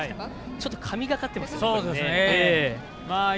ちょっと、神がかってますね。